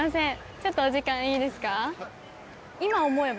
ちょっとお時間いいですか？